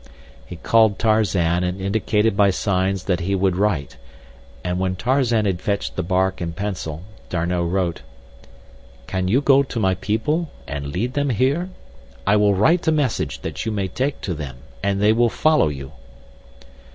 He called Tarzan and indicated by signs that he would write, and when Tarzan had fetched the bark and pencil, D'Arnot wrote: Can you go to my people and lead them here? I will write a message that you may take to them, and they will follow you.